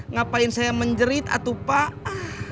ngapain saya menjerit atau pak